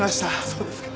そうですか。